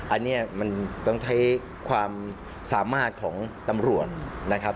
อันนี้มันต้องใช้ความสามารถของตำรวจนะครับ